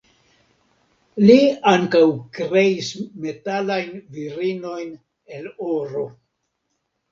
Li ankaŭ kreis metalajn virinojn el oro.